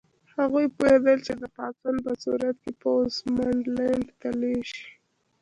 هغوی پوهېدل چې د پاڅون په صورت کې پوځ منډلینډ ته لېږي.